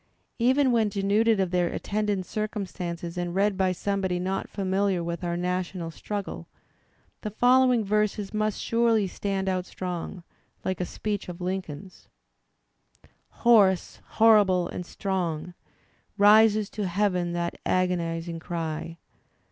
Even when denuded of their attendant circumstances and read by some body not famiUar with our national struggle, the follow ing verses must surely stand out strong, like a speech of Lincoln's: Hoarse, horrible and strong. Rises to Heaven that agonizing cry.